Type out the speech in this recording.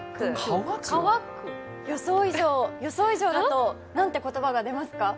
予想以上だと何て言葉が出ますか？